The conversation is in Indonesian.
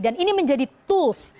dan ini menjadi tools